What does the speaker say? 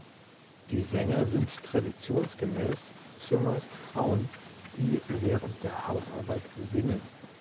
Die Sänger sind traditionsgemäß zumeist Frauen, die während der Hausarbeit singen.